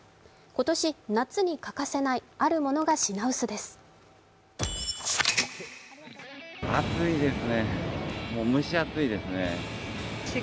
今年、夏に欠かせないあるものが品薄です。